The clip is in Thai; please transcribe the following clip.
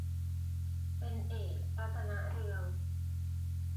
เป็นเอก รัตนเรือง